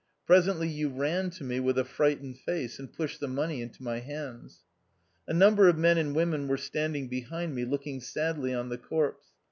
Presently you ran to me with a frightened face, and pushed the money into my hands. A number of men and women were stand ing behind me, looking sadly on the corpse.